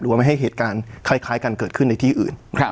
ว่าไม่ให้เหตุการณ์คล้ายกันเกิดขึ้นในที่อื่น